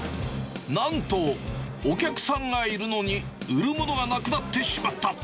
なんと、お客さんがいるのに売るものがなくなってしまった。